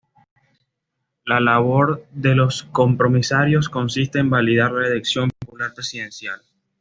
La labor de los compromisarios consiste en validar la elección popular presidencial.